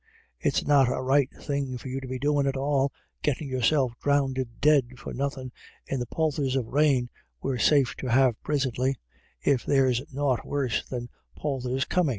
" It's not a right thing for you to be doin' at all, gittin' yourself drownded dead for nothin' in the polthers of rain we're sa% to have presintly, if there's nought worse than polthers comin'."